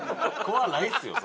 怖ないですよ